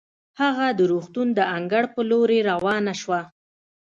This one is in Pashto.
هغه د روغتون د انګړ په لورې روانه شوه.